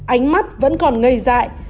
ánh mắt vẫn còn ngây dại